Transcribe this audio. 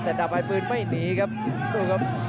แต่ดาบอายปืนไม่หนีครับ